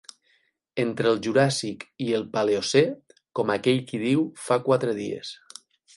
Entre el juràssic i el paleocè, com aquell qui diu fa quatre dies.